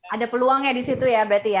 ada peluangnya di situ ya berarti ya